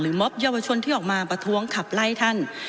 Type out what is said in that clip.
หรือมอบเยาวชวนที่ออกมาประท้วงสักทิศ